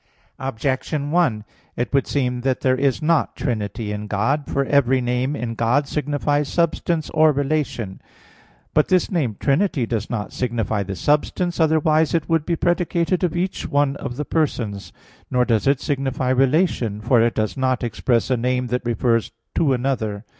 Objection 1: It would seem there is not trinity in God. For every name in God signifies substance or relation. But this name "Trinity" does not signify the substance; otherwise it would be predicated of each one of the persons: nor does it signify relation; for it does not express a name that refers to another.